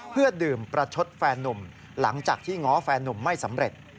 เพื่อดื่มประชดแฟนนุ่มหลังจากที่ง้อแฟนนุ่มไม่สำเร็จ